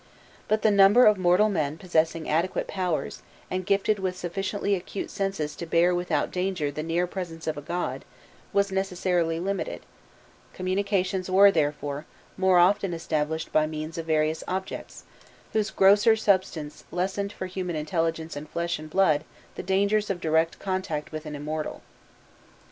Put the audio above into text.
But the number of mortal men possessing adequate powers, and gifted with sufficiently acute senses to bear without danger the near presence of a god, was necessarily limited; communications were, therefore, more often established by means of various objects, whose grosser substance lessened for human intelligence and flesh and blood the dangers of direct contact with an immortal.